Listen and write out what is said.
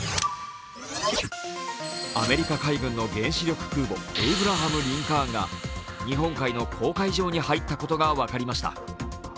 アメリカ海軍の原子力空母「エイブラハム・リンカーン」が日本海の公海上に入ったことが分かりました。